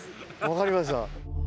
分かりました。